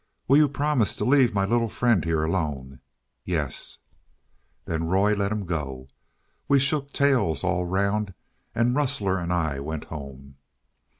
"Will you promise to leave my little friend here alone?" "Yes." Then Roy let him go. We shook tails all round, and Rustler and I went home.